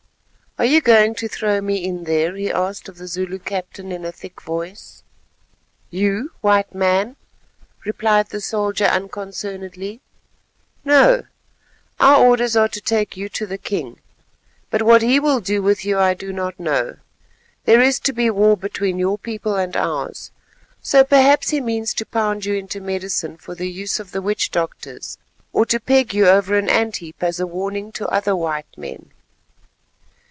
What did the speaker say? "Are you going to throw me in there?" he asked of the Zulu captain in a thick voice. "You, White Man?" replied the soldier unconcernedly. "No, our orders are to take you to the king, but what he will do with you I do not know. There is to be war between your people and ours, so perhaps he means to pound you into medicine for the use of the witch doctors, or to peg you over an ant heap as a warning to other white men."